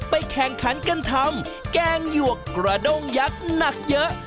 แข่งขันกันทำแกงหยวกกระด้งยักษ์หนักเยอะ